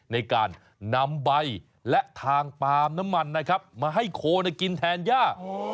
ในการนำใบและทางปลามน้ำมันมาให้โคลน่ะกินแทนย่า